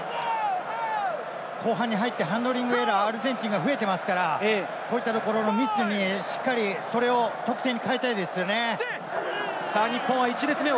後半に入ってハンドリングエラーがアルゼンチンに増えていますから、こういったところのミスにしっかり、それを得点に変えたいですよね。